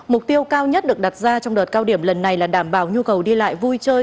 mục tiêu cao nhất được đặt ra trong đợt cao điểm lần này là đảm bảo nhu cầu đi lại vui chơi